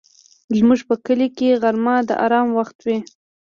زموږ په کلي کې غرمه د آرام وخت وي